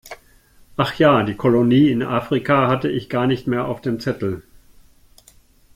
Ach ja, die Kolonie in Afrika hatte ich gar nicht mehr auf dem Zettel.